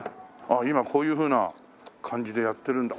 今こういうふうな感じでやってるんだ。